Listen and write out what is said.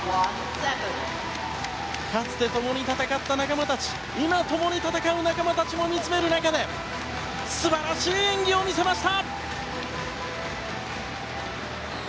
かつて共に戦った仲間たち今共に戦う仲間たちも見つめる中で素晴らしい演技を見せました！